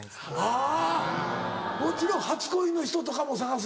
あぁもちろん初恋の人とかも捜すのやろ？